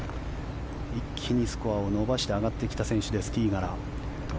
一気にスコアを伸ばして上がってきた選手です。